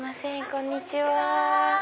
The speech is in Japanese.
こんにちは。